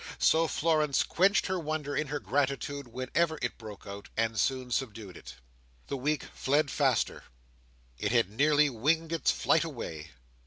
So Florence quenched her wonder in her gratitude whenever it broke out, and soon subdued it. The week fled faster. It had nearly winged its flight away.